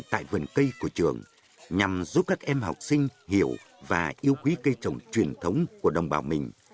tại vườn cây của trường nhằm giúp các em học sinh hiểu và yêu quý cây trồng truyền thống của đồng bào mình